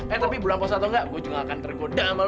eh tapi bulan puasa atau enggak gue juga gak akan tergoda sama lo